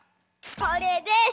これです！